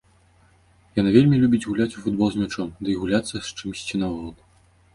Яна вельмі любіць гуляць у футбол з мячом, ды і гуляцца з чымсьці наогул.